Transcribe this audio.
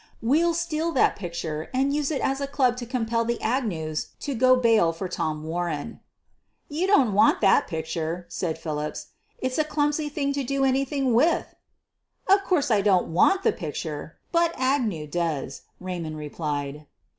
"We'll steal that picture and use it as a club to compel the Agnews to go bail for Tom Warren.' ' "You don't want that picture," said Philips. "It's a clumsy thing to do anything with." "Of course I don't want the picture — but Agnew does," Raymond replied.